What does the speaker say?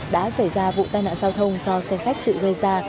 đã xảy ra vụ tai nạn giao thông do xe khách tự gây ra